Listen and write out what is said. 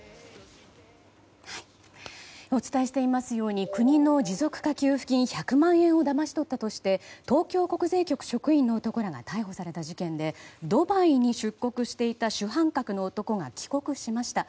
お伝えしていますように国の持続化給付金１００万円をだまし取ったとして東京国税局職員の男らが逮捕された事件でドバイに出国していた主犯格の男が帰国しました。